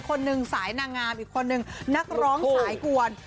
คนหนึ่งสายนางงามอีกคนนึงนักร้องสายกวน